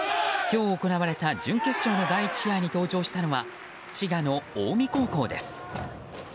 今日行われたの準決勝の第１試合に登場したのは登場したのは滋賀の近江高校です。